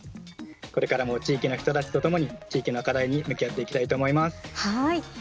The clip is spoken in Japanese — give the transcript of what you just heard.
これからも地域の人たちとともに地域の課題に向き合っていきたいと思います。